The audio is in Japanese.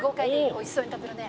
おいしそうに食べるね」